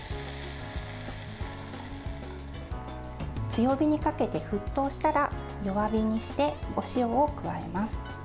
強火にかけて沸騰したら弱火にして、お塩を加えます。